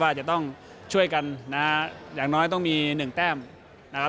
จะต้องช่วยกันนะฮะอย่างน้อยต้องมีหนึ่งแต้มนะครับ